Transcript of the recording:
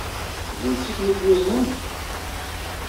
D netta ay kem-id-yuznen?